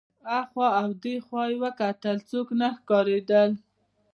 هخوا او دېخوا یې وکتل څوک نه ښکارېدل.